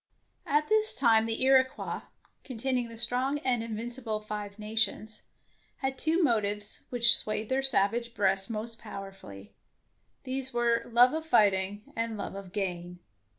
'^ At this time the Iroquois, containing the strong and invincible Five Nations, had two motives which swayed their savage breasts most powerfully; these were love of fighting and love of gain.